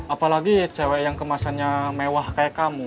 apalagi cewek yang kemasannya mewah kayak kamu